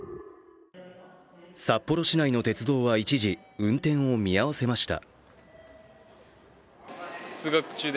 札幌市内の鉄道は一時、運転を見合わせました。